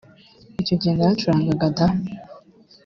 icyo gihe naracurangaga da